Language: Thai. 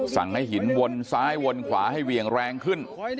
สั่งให้หินวนซ้ายวนขวาให้เหวี่ยงแรงขึ้น